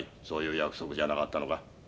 そういう約束じゃなかったのか。